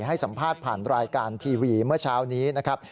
ให้สัมภาษณ์ผ่านรายการทีวีเมื่อเช้านี้นะครับ